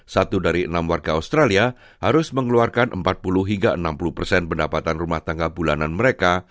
satu dari enam warga australia harus mengeluarkan empat puluh hingga enam puluh persen pendapatan rumah tangga bulanan mereka